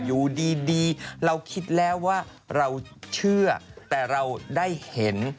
อยู่ดีเราคิดแล้วว่าเราเชื่อแต่เราได้เห็น